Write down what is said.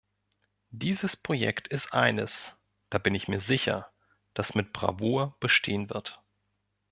Dieses Projekt ist eines, da bin ich mir sicher, das mit Bravour bestehen wird.